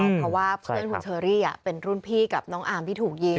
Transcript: เพราะว่าเพื่อนคุณเชอรี่เป็นรุ่นพี่กับน้องอาร์มที่ถูกยิง